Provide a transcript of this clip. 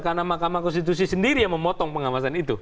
karena makamah konstitusi sendiri yang memotong pengawasan itu